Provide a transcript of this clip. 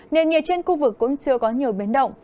nền nhiệt trên khu vực cũng chưa có nhiều biến động